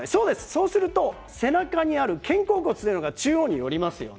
そうすると背中にある肩甲骨が中央に寄ります。